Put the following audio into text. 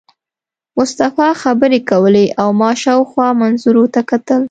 مصطفی خبرې کولې او ما شاوخوا منظرو ته کتل.